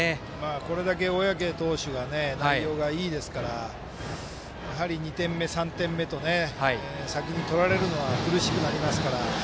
これだけ小宅投手が内容がいいですから、やはり２点目、３点目と先に取られるのは苦しくなりますから。